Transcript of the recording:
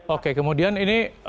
oke kemudian ini